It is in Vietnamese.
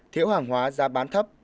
thiểu hàng hóa giá bán thấp